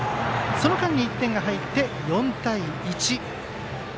その間に１点が入って４対１。